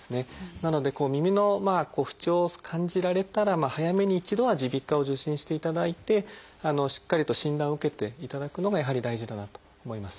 なので耳の不調を感じられたら早めに一度は耳鼻科を受診していただいてしっかりと診断を受けていただくのがやはり大事だなと思います。